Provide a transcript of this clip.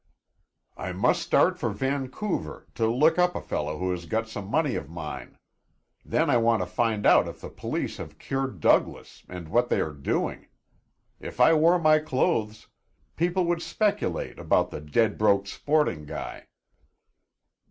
"I must start for Vancouver, to look up a fellow who has got some money of mine. Then I want to find out if the police have cured Douglas and what they are doing. If I wore my clothes, people would speculate about the dead broke sporting guy."